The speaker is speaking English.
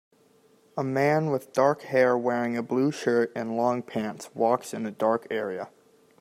A man with dark hair wearing a blue shirt and long pants walks in a dark area.